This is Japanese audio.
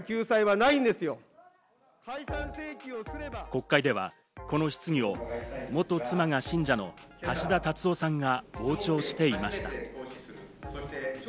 国会ではこの質疑を元妻が信者の橋田達夫さんが傍聴していました。